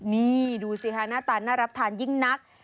นี่ดูสิค่ะหน้าตาน่ารับทานยิ่งนัก